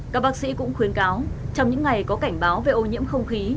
các bác sĩ cũng khuyến cáo trong những ngày có cảnh báo về ô nhiễm không khí